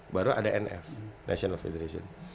baru ada nf national federation